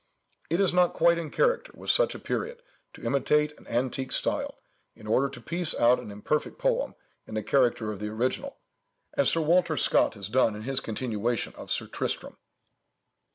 It is not quite in character with such a period to imitate an antique style, in order to piece out an imperfect poem in the character of the original, as Sir Walter Scott has done in his continuation of Sir Tristram.